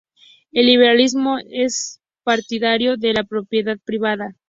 El libertarismo es partidario de la propiedad privada.